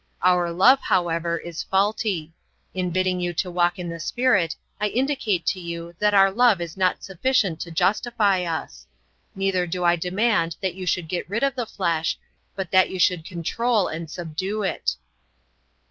Our love, however, is faulty. In bidding you to walk in the Spirit I indicate to you that our love is not sufficient to justify us. Neither do I demand that you should get rid of the flesh, but that you should control and subdue it."